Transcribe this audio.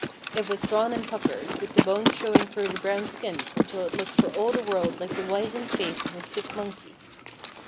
It was drawn and puckered, with the bones showing through the brown skin until it looked for all the world like the wizened face of a sick monkey.